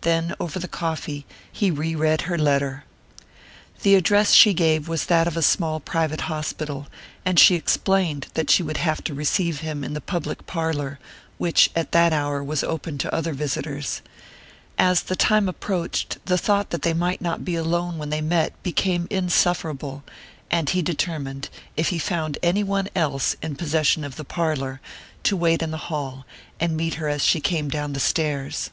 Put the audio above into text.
Then, over the coffee, he re read her letter. The address she gave was that of a small private hospital, and she explained that she would have to receive him in the public parlour, which at that hour was open to other visitors. As the time approached, the thought that they might not be alone when they met became insufferable; and he determined, if he found any one else, in possession of the parlour, to wait in the hall, and meet her as she came down the stairs.